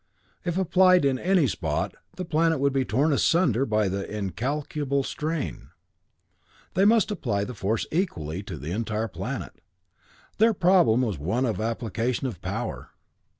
If applied in any spot, the planet would be torn asunder by the incalculable strain. They must apply the force equally to the entire planet. Their problem was one of application of power.